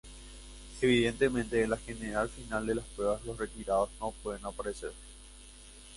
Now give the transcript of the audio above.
Evidentemente en la general final de la prueba los retirados no pueden aparecer.